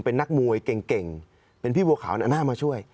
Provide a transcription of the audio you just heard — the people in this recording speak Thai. เป็นนักมวยเก่งเป็นพี่บัวขาวน่ามาช่วย